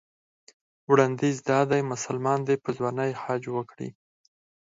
وړاندیز دا دی مسلمان دې په ځوانۍ حج وکړي.